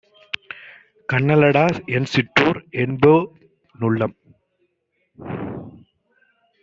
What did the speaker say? கன்னலடா என்சிற்றூர் என்போ னுள்ளம்